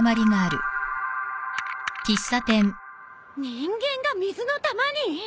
人間が水の球に！？